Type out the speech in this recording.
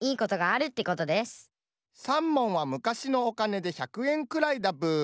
さんもんはむかしのおかねで１００えんくらいだブー。